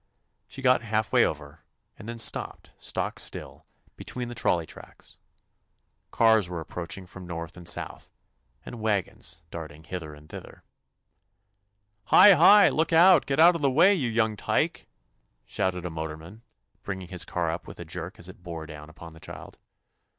She got half way over and then stopped stock still between the trol ley tracks. Cars were approaching from north and south, and wagons darting hither and thither. 151 THE ADVENTURES OF "Hi! Hi I Look out I Get out of the way, you young tyke I" shouted a motorman, bringing his car up with a jerk as it bore down upon the child.